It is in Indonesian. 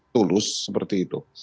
tulus seperti itu